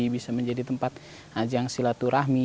bisa menjadi tempat ajang silaturahmi